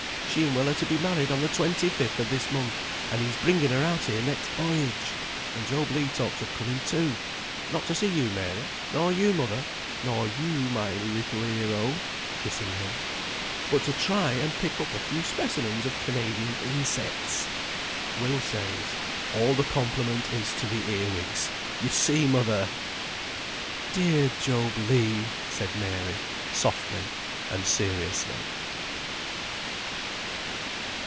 She and Will are to be married on the twenty fifth of this month, and he's bringing her out here next voyage; and Job Legh talks of coming too, not to see you, Mary, nor you, mother, nor you, my little hero" (kissing him), "but to try and pick up a few specimens of Canadian insects, Will says. All the compliment is to the earwigs, you see, mother!" "Dear Job Legh!" said Mary, softly and seriously.